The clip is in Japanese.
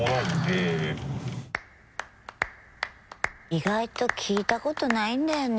意外と聞いたことないんだよね